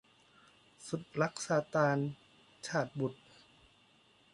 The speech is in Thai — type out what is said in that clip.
สุดรักซาตาน - ชาตบุษย์